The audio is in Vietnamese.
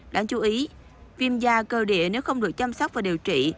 đáng chú ý viêm da cơ địa nếu không được chăm sóc và điều trị